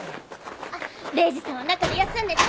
あっ礼二さんは中で休んでて。